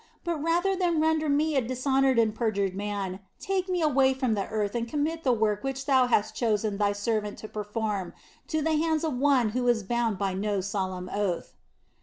But rather than render me a dishonored and perjured man, take me away from earth and commit the work which Thou hast chosen Thy servant to perform, to the hands of one who is bound by no solemn oath."